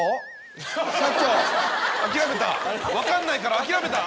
分かんないから諦めた！